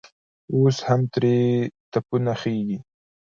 اوس هم ترې تپونه خېژي.